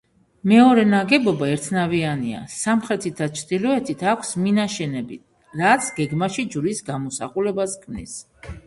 მეორე ნაგებობა ერთნავიანია, სამხრეთით და ჩრდილოეთით აქვს მინაშენები, რაც გეგმაში ჯვრის გამოსახულებას ქმნის.